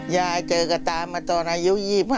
ยายเจอกับตามาตอนอายุ๒๕